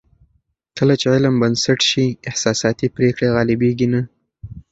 کله چې علم بنسټ شي، احساساتي پرېکړې غالبېږي نه.